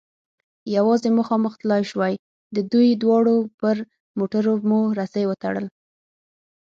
یوازې مخامخ تلای شوای، د دوی دواړو پر موټرو مو رسۍ و تړل.